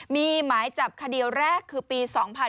มีหมายจับคดีแรกคือปี๒๕๕๙